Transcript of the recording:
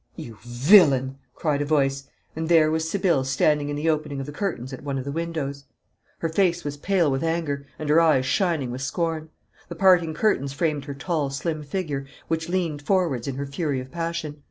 'You villain!' cried a voice, and there was Sibylle standing in the opening of the curtains at one of the windows. Her face was pale with anger and her eyes shining with scorn; the parting curtains framed her tall, slim figure, which leaned forwards in her fury of passion.